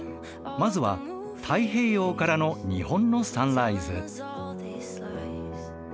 まずは太平洋からの日本のサンライズ。